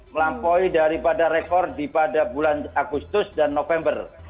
melampaui daripada rekor di pada bulan agustus dan november